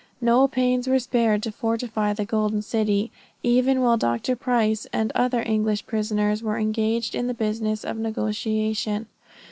No pains was spared to fortify the golden city, even while Dr. Price and other English prisoners were engaged in the business of negotiation.